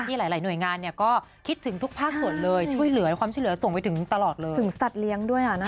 ที่หลายหน่วยงานเนี่ยก็คิดถึงทุกภาพส่วนเลย